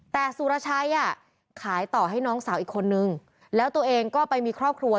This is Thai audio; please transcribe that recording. แต่สุรชัยอ่ะขายต่อให้น้องสาวอีกคนนึงแล้วตัวเองก็ไปมีครอบครัว